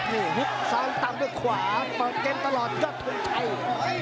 นี่ฮุดซ้อนตั้งด้วยขวาตอนเกมตลอดก็ทุนไทย